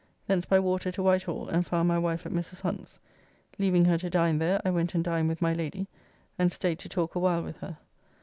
Thence by water to Whitehall, and found my wife at Mrs. Hunt's. Leaving her to dine there, I went and dined with my Lady, and staid to talk a while with her.